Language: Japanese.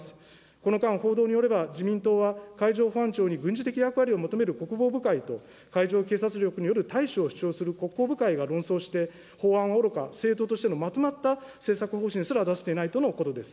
この間、報道によれば、自民党は海上保安庁に軍事的役割を求める国防部会と、海上警察力による対処を必要とする国交部会が論争して、法案はおろか、政党としてのまとまった政策方針すら出せていないとのことです。